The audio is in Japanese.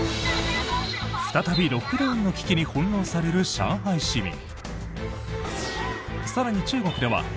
再びロックダウンの危機に翻ろうされる上海市民。